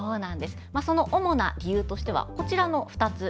主な理由としてはこちらの２つ。